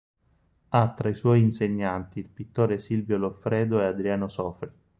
Ha tra i suoi insegnanti il pittore Silvio Loffredo e Adriano Sofri.